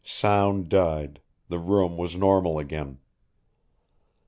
Sound died, the room was normal again.